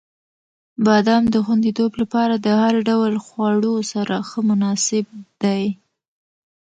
• بادام د خوندیتوب لپاره د هر ډول خواړو سره ښه مناسب دی.